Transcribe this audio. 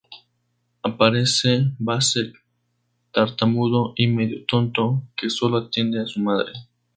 Aparece Vasek, tartamudo y medio tonto, que sólo atiende a su madre.